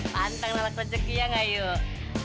pantang lelak rejekinya gak yuk